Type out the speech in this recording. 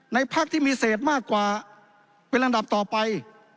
พักที่มีเศษมากกว่าเป็นอันดับต่อไป